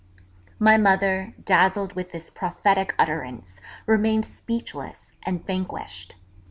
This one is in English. My mother, dazzled with this prophetic utterance, remained speechless and vanquished.